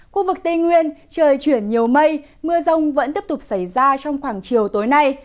khu vực tây nguyên trời chuyển nhiều mây mưa rông vẫn tiếp tục xảy ra trong khoảng chiều tối nay